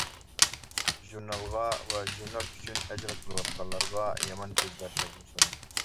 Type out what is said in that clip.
ژۇرنالغا، ۋە ژۇرنال ئۈچۈن ئەجىر قىلىۋاتقانلارغا يامان كۆزلەر تەگمىسۇن!